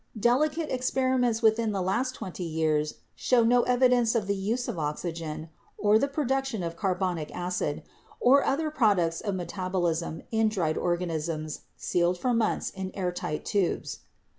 Delicate experiments within the last twenty years show no evidence of the use of oxygen or the production of carbonic acid or other products of metabolism in dried organisms sealed for months in air tight tubes.